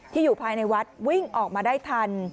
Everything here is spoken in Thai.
อยู่ภายในวัดวิ่งออกมาได้ทัน